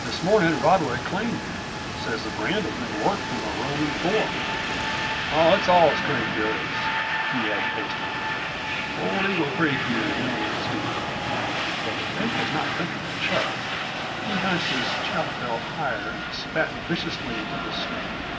This morning Rodway claimed him says the brand has been worked from a Roman four. Oh, it's all straight goods," he added hastily. "Old Eagle Creek here knew him, too." But Pink was not thinking of Chub. He hunched his chap belt higher and spat viciously into the snow.